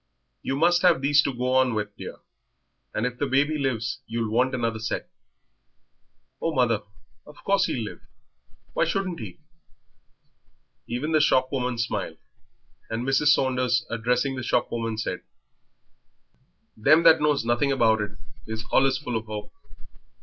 "You must have these to go on with, dear, and if the baby lives you'll want another set." "Oh, mother, of course he'll live; why shouldn't he?" Even the shopwoman smiled, and Mrs. Saunders, addressing the shopwoman, said "Them that knows nothing about it is allus full of 'ope."